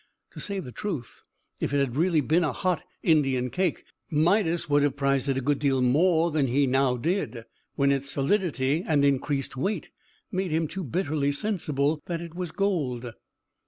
To say the truth, if it had really been a hot Indian cake, Midas would have prized it a good deal more than he now did, when its solidity and increased weight made him too bitterly sensible that it was gold.